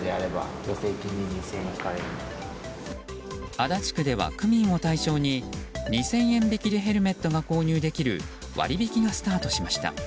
足立区では区民を対象に２０００円引きでヘルメットが購入できる割引がスタートしました。